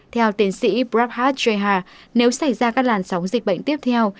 theo tiến sĩ prabhat jha nếu xảy ra các làn sóng dịch bệnh tiếp theo